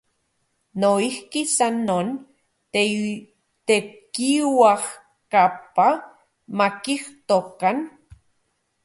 Noijki, san non, tekiuajkapa makijtokan.